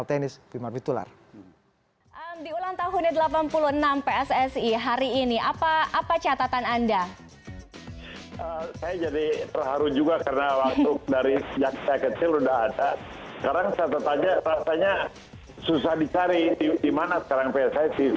mereka itu kalau ini